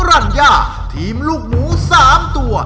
รัญญาทีมลูกหมู๓ตัว